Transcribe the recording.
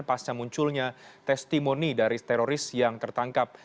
pasca munculnya testimoni dari teroris yang tertangkap